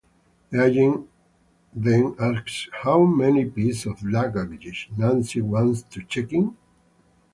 The agent then asks how many pieces of luggage Nancy wants to check in.